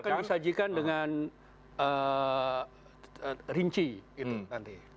nanti akan disajikan dengan rinci itu nanti